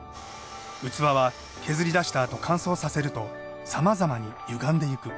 器は削り出したあと乾燥させるとさまざまにゆがんでいく。